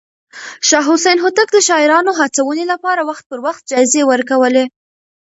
شاه حسين هوتک د شاعرانو هڅونې لپاره وخت پر وخت جايزې ورکولې.